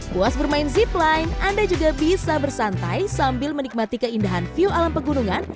puas bermain zipline anda juga bisa bersantai sambil menikmati keindahan view alam pegunungan